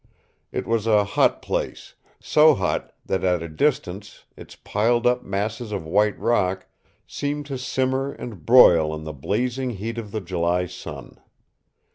It was a hot place, so hot that at a distance its piled up masses of white rock seemed to simmer and broil in the blazing heat of the July sun.